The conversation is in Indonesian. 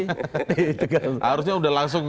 harusnya sudah langsung